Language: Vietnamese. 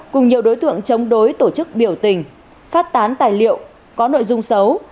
cùng nhiều đối tượng chống đối tổ chức biểu tình phát tán tài liệu có nội dung xấu